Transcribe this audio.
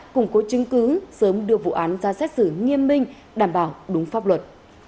củng cố chứng cứ sớm đưa vụ án ra xét xử nghiêm minh đảm bảo đúng pháp luật